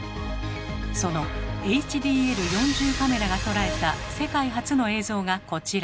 そのＨＤＬ−４０カメラが捉えた世界初の映像がこちら。